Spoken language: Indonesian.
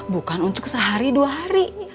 bukan untuk sehari dua hari